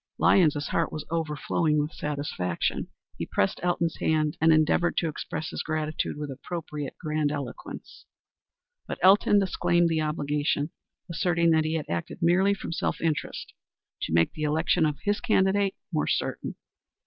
Lyons's heart was overflowing with satisfaction. He pressed Elton's hand and endeavored to express his gratitude with appropriate grandiloquence. But Elton disclaimed the obligation, asserting that he had acted merely from self interest to make the election of his candidate more certain.